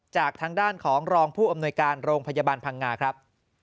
จากทางด้านของรองผู้อำนวยการโรงพยาบาลพังงาครับ